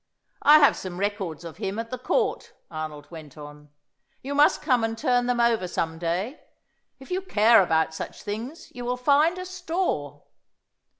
"I have some records of him at the Court," Arnold went on. "You must come and turn them over some day; if you care about such things, you will find a store."